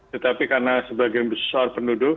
tetapi karena sebagian besar penduduk